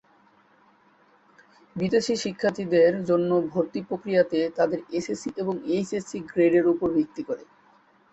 বিদেশী শিক্ষার্থীদের জন্য ভর্তি প্রক্রিয়াতে তাদের এসএসসি এবং এইচএসসি গ্রেডের উপর ভিত্তি করে।